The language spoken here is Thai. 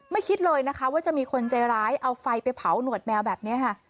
คิดเลยนะคะว่าจะมีคนใจร้ายเอาไฟไปเผาหนวดแมวแบบนี้ค่ะ